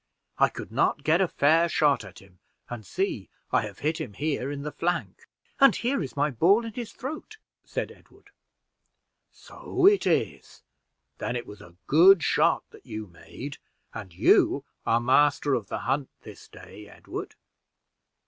I could not get a fair shot at him and see, I have hit him here in the flank." "And here is my ball in his throat," said Edward. "So it is. Then it was a good shot that you made, and you are master of the hunt this day, Edward.